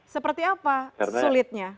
seperti apa sulitnya